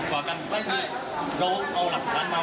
อย่างเนี้ยนะอย่างเนี้ยนะ